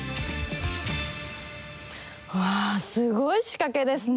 うわすごい仕掛けですね！